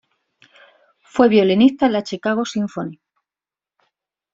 Fue violinista en la Chicago Symphony.